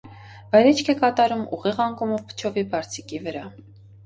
Վայրէջք է կատարում ուղիղ անկումով փչովի բարձիկի վրա։